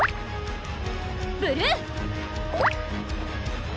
ブルー！